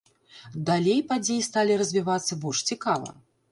Далей падзеі сталі развівацца больш цікава.